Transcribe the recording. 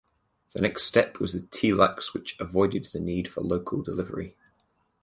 The next step was the telex which avoided the need for local delivery.